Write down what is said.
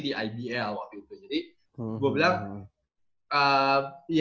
di ibl waktu itu jadi